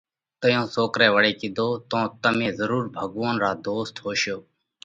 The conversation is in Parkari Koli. تئيون سوڪرئہ وۯي ڪِيڌو: تو تمي ضرور ڀڳوونَ را ڌوست هوشو؟